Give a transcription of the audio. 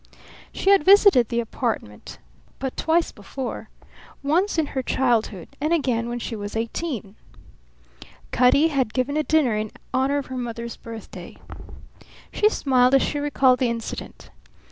She had visited the apartment but twice before, once in her childhood and again when she was eighteen. Cutty had given a dinner in honour of her mother's birthday. She smiled as she recalled the incident.